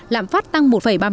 lạm phát tăng một ba mươi năm